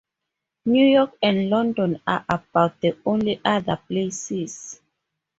New York and London are about the only other places.